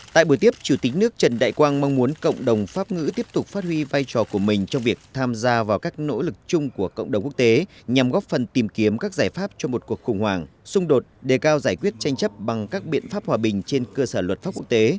tại buổi tiếp chủ tịch nước trần đại quang mong muốn cộng đồng pháp ngữ tiếp tục phát huy vai trò của mình trong việc tham gia vào các nỗ lực chung của cộng đồng quốc tế nhằm góp phần tìm kiếm các giải pháp cho một cuộc khủng hoảng xung đột đề cao giải quyết tranh chấp bằng các biện pháp hòa bình trên cơ sở luật pháp quốc tế